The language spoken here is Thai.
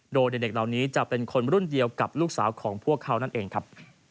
โดยเด็กเหล่านี้จะเป็นคนรุ่นเดียวกับลูกสาวของพวกเขานั่นเองครับ